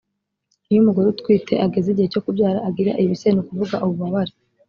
iyo umugore utwite ageze igihe cyo kubyara agira ibise ni ukuvuga ububabare